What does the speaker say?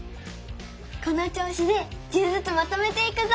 このちょうしで１０ずつまとめていくぞ！